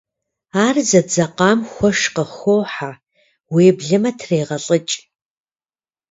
Ар зэдзэкъам хуэш къыхохьэ, уеблэмэ трегъэлIыкI.